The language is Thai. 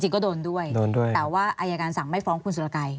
จริงก็โดนด้วยแต่ว่าอายการสั่งไม่ฟ้องคุณสุรไกร